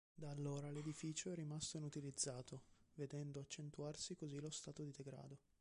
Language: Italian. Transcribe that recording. Da allora l'edificio è rimasto inutilizzato vedendo accentuarsi così lo stato di degrado.